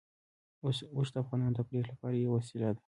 اوښ د افغانانو د تفریح لپاره یوه وسیله ده.